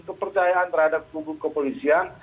kepercayaan terhadap kubur kepolisian